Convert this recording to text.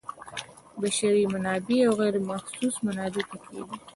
بشري منابع او غیر محسوس منابع پکې دي.